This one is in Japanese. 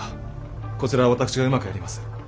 こちらは私がうまくやります。